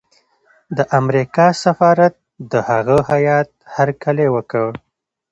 د امریکا سفارت د هغه هیات هرکلی وکړ.